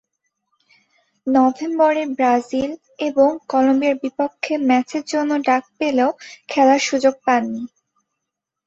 নভেম্বরে ব্রাজিল এবং কলম্বিয়ার বিপক্ষে ম্যাচের জন্য ডাক পেলেও খেলার সুযোগ পাননি।